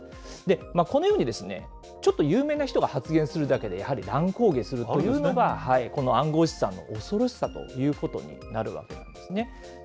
このようにですね、ちょっと有名な人が発言するだけで、やはり乱高下するというのが、この暗号資産の恐ろしさということになるわけなんですね。